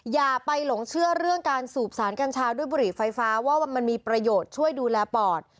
อย่าไปหลงเชื่อเรื่องการสูบสารกัญชาด้วยบุหรี่ไฟฟ้าว่ามันมีประโยชน์ช่วยดูแลปอด